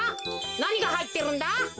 なにがはいってるんだ？